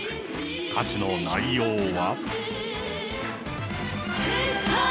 歌詞の内容は。